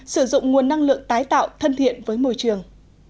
sử dụng nguồn năng lượng tái tạo thân thiện với môi trường